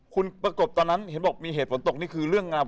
ถูกต้องครับ